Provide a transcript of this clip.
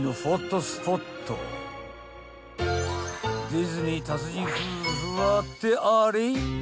［ディズニー達人夫婦はってあれ？］